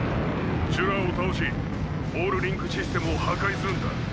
シュラを倒しオールリンクシステムを破壊するんだ。